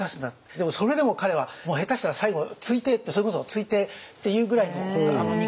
でもそれでも彼は下手したら最後突いてそれこそ突いてっていうぐらいの憎しみを。